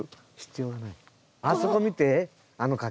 あそこ見てあの柿。